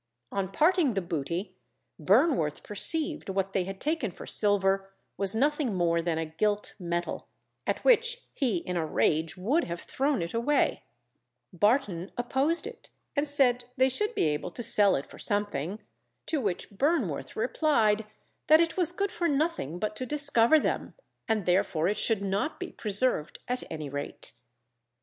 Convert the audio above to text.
On parting the booty Burnworth perceived what they had taken for silver was nothing more than a gilt metal, at which he in a rage would have thrown it away; Barton opposed it, and said they should be able to sell it for something, to which Burnworth replied that it was good for nothing but to discover them, and therefore it should not be preserved at any rate.